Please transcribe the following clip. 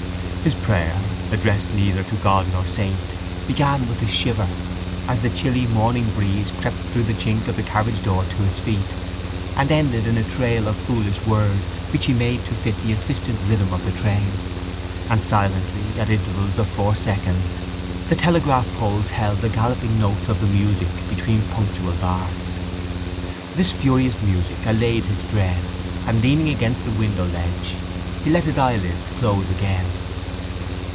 His prayer, addressed neither to God nor saint, began with a shiver, as the chilly morning breeze crept through the chink of the carriage door to his feet, and ended in a trail of foolish words which he made to fit the insistent rhythm of the train; and silently, at intervals of four seconds, the telegraphpoles held the galloping notes of the music between punctual bars. This furious music allayed his dread and, leaning against the windowledge, he let his eyelids close again.